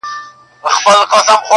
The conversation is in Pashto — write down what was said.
توري سترګي غړوې چي چي خوني نه سي,